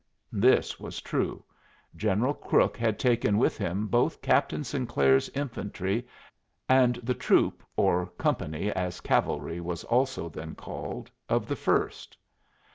This was true. General Crook had taken with him both Captain Sinclair's infantry and the troop (or company, as cavalry was also then called) of the First.